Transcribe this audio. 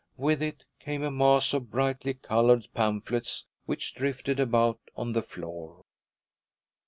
With it came a mass of brightly colored pamphlets which drifted about on the floor.